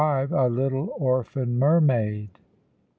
A LITTLE ORPHAN MERMAID.